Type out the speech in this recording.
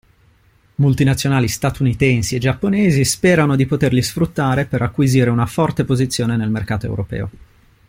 Multinazionali statunitensi e giapponesi sperano di poterli sfruttare per acquisire una forte posizione nel mercato europeo.